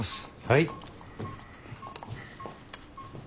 はい。